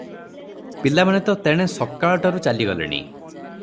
ପିଲାମାନେ ତ ତେଣେ ସକାଳ ଟାରୁ ଚାଲିଗଲେଣି ।"